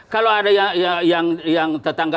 kalau ada yang tetangga